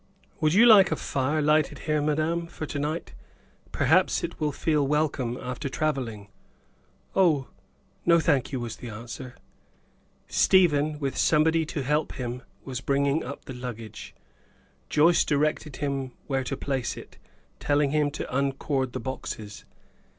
"Would you like a fire lighted here, madame, for to night? Perhaps it will feel welcome after travelling." "Oh, no, thank you," was the answer. Stephen, with somebody to help him, was bringing up the luggage. Joyce directed him where to place it, telling him to uncord the boxes.